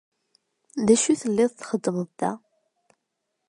D acu i telliḍ txeddmeḍ da?